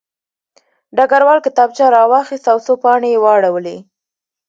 ډګروال کتابچه راواخیسته او څو پاڼې یې واړولې